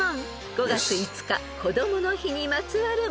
［５月５日こどもの日にまつわる問題］